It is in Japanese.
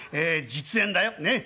実演だよねえ。